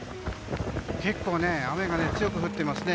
結構、雨が強く降っていますね。